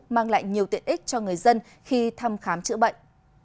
mang lại nhiều tiện ích cho người dân khi thăm khám chữa bệnh